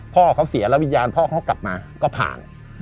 พ่อเขาเสียแล้ววิญญาณพ่อเขากลับมาก็ผ่าน